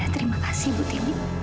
terima kasih bu tini